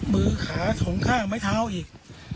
มือขาสองข้างไม้เท้าอีก